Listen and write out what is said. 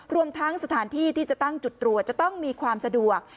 รวมทั้งสถานที่ที่จะตั้งจุดตรวจจะต้องมีความสะดวก